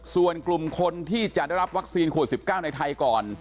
ส่วนกลุ่มคนที่จะได้รับวัคซีนขวด๑๙ในไทยก่อน